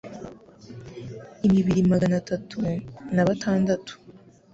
imibiri magana tatu na batandatu